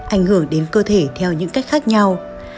ảnh hưởng đến cơ thể theo những cách khác nhau